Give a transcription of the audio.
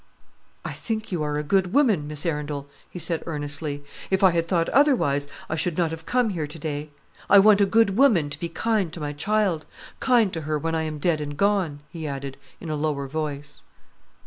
"I think you are a good woman, Miss Arundel," he said earnestly. "If I had thought otherwise, I should not have come here to day. I want a good woman to be kind to my child; kind to her when I am dead and gone," he added, in a lower voice.